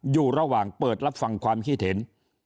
อยู่ระหว่างเปิดรับฟังความคิดเห็น